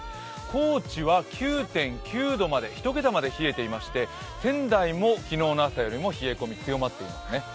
高知は９．９度、１桁まで冷えていまして、仙台も昨日の朝よりも冷え込み強まっているんですね。